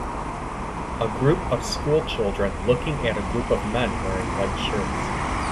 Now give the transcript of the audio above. A group of school children looking at a group on men wearing white shirts